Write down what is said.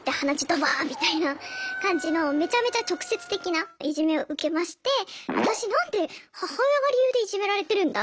ドバーッみたいな感じのめちゃめちゃ直接的ないじめを受けまして私何で母親が理由でいじめられてるんだ？